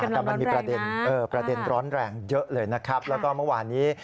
อ๋อกำลังร้อนแรงนะอ๋อประเด็นร้อนแรงเยอะเลยนะครับแล้วก็เมื่อวานนี้